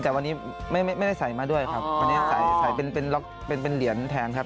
แต่วันนี้ไม่ได้ใส่มาด้วยครับวันนี้ใส่ใส่เป็นล็อกเป็นเหรียญแทนครับ